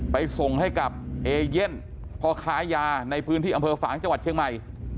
ไปส่งให้กับเอเย่นพ่อค้ายาในพื้นที่อำเภอฝางจังหวัดเชียงใหม่